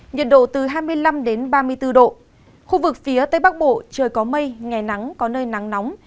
nhiệt độ từ hai mươi năm ba mươi bốn độ khu vực phía tây bắc bộ trời có mây ngày nắng có nơi nắng nóng